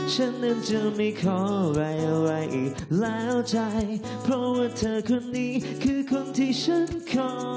ฉันนั้นเธอไม่ขออะไรแล้วใจเพราะว่าเธอคนนี้คือคนที่ฉันขอ